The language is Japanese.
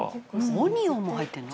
「オニオンも入ってるの？」